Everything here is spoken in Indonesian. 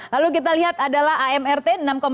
lalu kita lihat adalah amrt